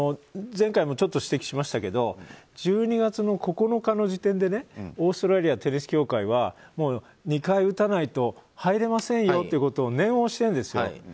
前回もちょっと指摘しましたけど１２月９日の時点でねオーストラリアテニス協会は２回打たないと入れませんよと念を押してるんですよ。